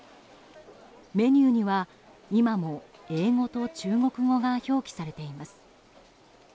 メニューには今も英語と中国語が表記されています。